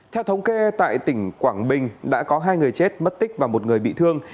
theo thống kê tại tỉnh quảng bình đã có hai người chết mất tích và một người bị thương